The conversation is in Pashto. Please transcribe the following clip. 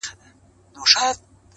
خداى دي نه كړي د قام بېره په رگونو٫